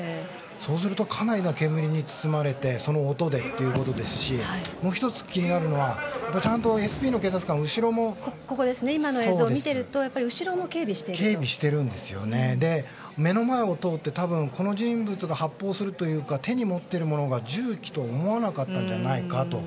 そうするとかなりの煙に包まれてその音でということですしもう１つ気になるのはちゃんとＳＰの警察官今の映像を見てると目の前を通って、この人物が発砲するというか手に持っているものが銃器と思わなかったんじゃないかと。